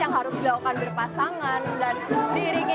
yang harus dilakukan berpasangan dan diiriki musik